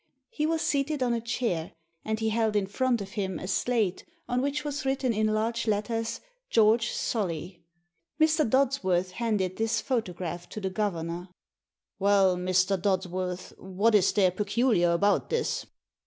He was seated on a chair, and he held in front of him a slate on which was written in large letters, " George Solly." Mr. Dodsworth handed this photograph to the governor. " Well, Mr. Dodsworth, what is there peculiar about this?"